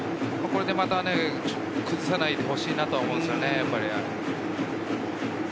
これでまた崩さないでほしいと思うんですけれどね。